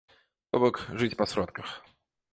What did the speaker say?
То бок, жыць па сродках.